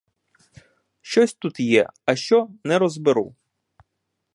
Щось тут є, а що — не розберу.